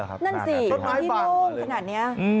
นั่นสิที่โล่งขนาดนี้